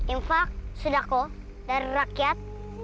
infa sudako dan rakyat